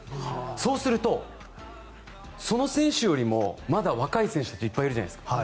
そうすると、その選手よりもまだ若い選手たちいっぱいいるじゃないですか。